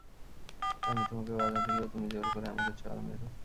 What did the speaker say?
আমি তোমাকে বাধা দিলেও তুমি জোর করে আমাকে চড় মেরো।